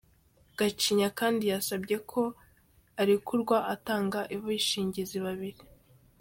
Gacinya kandi yasabye ko arekurwa atanga abishingizi babiri.